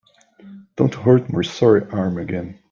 Don't hurt my sore arm again.